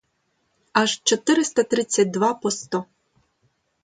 Аж чотириста тридцять два по сто.